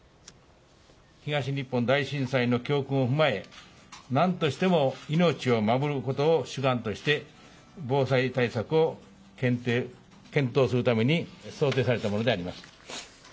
東日本大震災の教訓を踏まえ、なんとしても命を守ることを主眼として、防災対策を検討するために想定されたものであります。